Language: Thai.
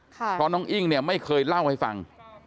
เพราะน้องอิ้งเนี่ยไม่เคยเล่าให้ฟัง